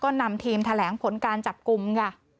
ก็นำทีมแถลงผลการจับกลุ่มค่ะ